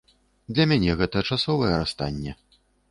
Для мяне гэта часовае расстанне.